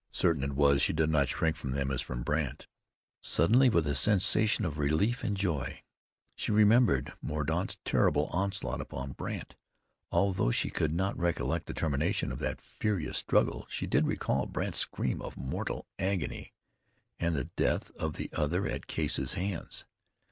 Certain it was she did not shrink from them as from Brandt. Suddenly, with a sensation of relief and joy, she remembered Mordaunt's terrible onslaught upon Brandt. Although she could not recollect the termination of that furious struggle, she did recall Brandt's scream of mortal agony, and the death of the other at Case's hands.